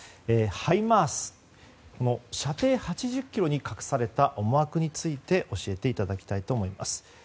ハイマース射程８０ｋｍに隠された思惑について教えていただきたいと思います。